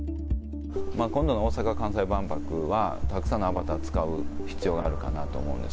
今度の大阪・関西万博は、たくさんのアバターを使う必要があるかなと思うんです。